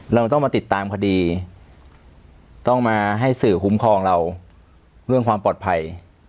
เราต้องมาติดตามคดีต้องมาให้สื่อคุ้มครองเราเรื่องความปลอดภัย